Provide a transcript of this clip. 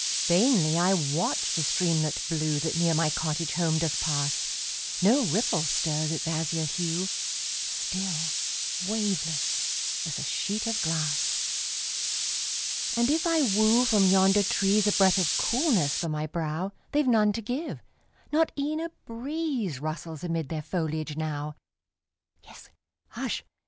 Vainly I watch the streamlet blue That near my cottage home doth pass, No ripple stirs its azure hue, Still waveless, as a sheet of glass And if I woo from yonder trees A breath of coolness for my brow, They've none to give not e'en a breeze Rustles amid their foliage now; Yes, hush!